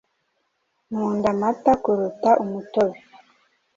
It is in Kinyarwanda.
Nkunda amata kuruta umutobe.